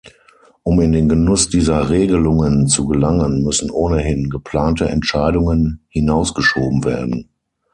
Um in den Genuss dieser Regelungen zu gelangen, müssen ohnehin geplante Entscheidungen hinausgeschoben werden.